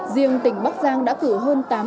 riêng tỉnh bắc giang đã cử hơn